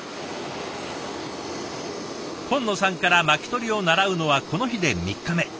金野さんから巻き取りを習うのはこの日で３日目。